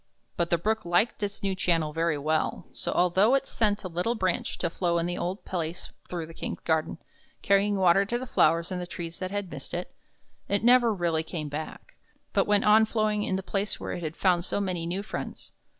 But the Brook liked its new channel very well' so, although it sent a little branch to flow in the old place through the King's garden, carrying water to the flowers and trees that had missed it, it never really came back, but went on flowing in the place where it had found so many new friends.